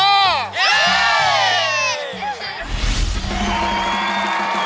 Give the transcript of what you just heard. เย้